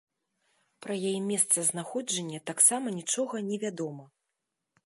Пра яе месцазнаходжанне таксама нічога не вядома.